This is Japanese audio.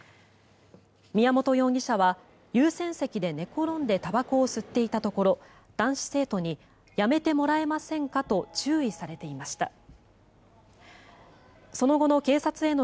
宮本容疑者は優先席で寝転んでたばこを吸っていたところ男子生徒にやめてもらえませんかと注意されていました。